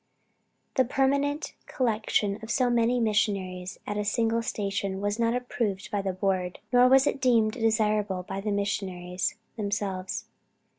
The permanent collection of so many Missionaries at a single station was not approved by the Board, nor was it deemed desirable by the Missionaries themselves.